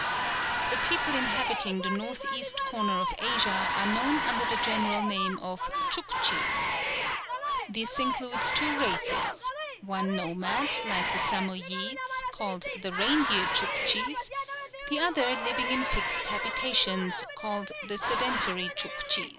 The people inhabiting the north east corner of Asia are known under the general name of Tchouktchis. This includes two races, one nomad, like the Samoyedes, called the Reindeer Tchouktchis; the other, living in fixed habitations, called the sedentary Tchouktchis.